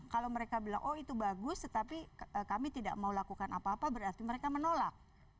kalau mereka bilang oh itu bagus tetapi kami tidak mau lakukan apa apa berarti mereka menolak